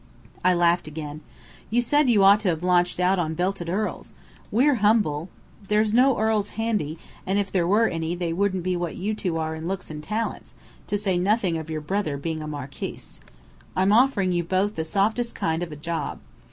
I laughed again. "You said you ought to have launched out on belted earls. We're humble " "There's no earls handy, and if there were any, they wouldn't be what you two are in looks and talents, to say nothing of your brother being a marquis. I'm offering you both the softest kind of job.